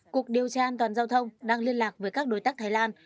cục điều tra an toàn giao thông đang liên lạc với các đối tác thái lan